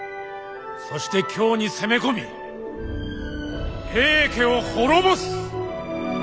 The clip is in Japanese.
そして京に攻め込み平家を滅ぼす。